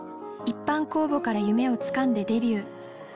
一般公募から夢をつかんでデビュー。